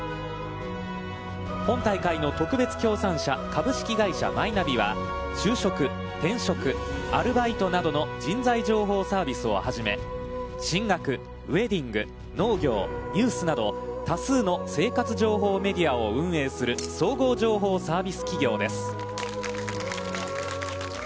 本大会の特別協賛社、株式会社マイナビは就職、転職、アルバイトなどの人材情報サービスを初め進学、ウエディング、農業、ニュースなどの多数の生活情報メディアを運営する総合情報サービス企業です。